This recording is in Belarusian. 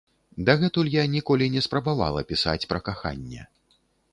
Дагэтуль я ніколі не спрабавала пісаць пра каханне.